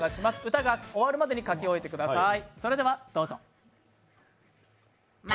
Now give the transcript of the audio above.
歌が終わるまでに描き終えてください。